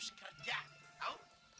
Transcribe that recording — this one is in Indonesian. kita berdua kagak kecus kerja tau